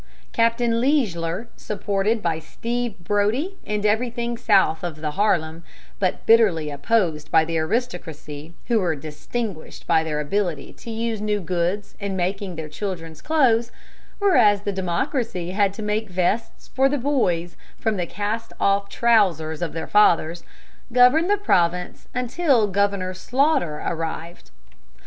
Captain Leisler, supported by Steve Brodie and everything south of the Harlem, but bitterly opposed by the aristocracy, who were distinguished by their ability to use new goods in making their children's clothes, whereas the democracy had to make vests for the boys from the cast off trousers of their fathers, governed the province until Governor Sloughter arrived.